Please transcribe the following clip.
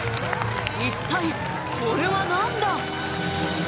一体これは何だ？